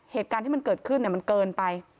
เหตุการณ์ที่มันเกิดขึ้นมันเกินไป